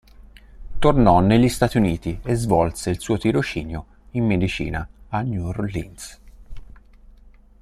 Tornò negli Stati Uniti e svolse il suo tirocinio in medicina a New Orleans.